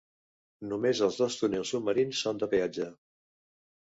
Només els dos túnels submarins són de peatge.